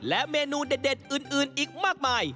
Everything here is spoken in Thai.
และเมนูเด็ดอื่นอีกมากมาย